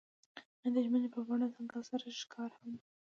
هغوی د ژمنې په بڼه ځنګل سره ښکاره هم کړه.